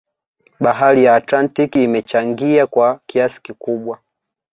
Bahari ya Atlantiki imechangia kwa kiasi kikubwa